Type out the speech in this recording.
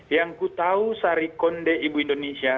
yang ku tahu sari konde ibu indonesia